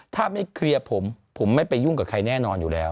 ถ้าไม่เคลียร์ผมผมไม่ไปยุ่งกับใครแน่นอนอยู่แล้ว